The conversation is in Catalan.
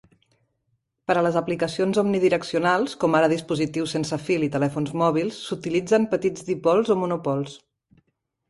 Per a les aplicacions omnidireccionals, com ara dispositius sense fil i telèfons mòbils, s'utilitzen petits dipols o monopols.